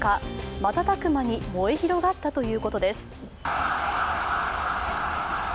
瞬く間に燃え広がったということです。